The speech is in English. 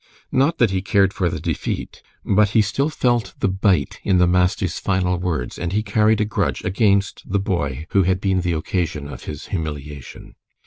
Not that he cared for the defeat, but he still felt the bite in the master's final words, and he carried a grudge against the boy who had been the occasion of his humiliation.